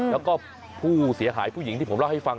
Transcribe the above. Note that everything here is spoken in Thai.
แล้วก็ผู้เสียหายผู้หญิงที่ผมเล่าให้ฟัง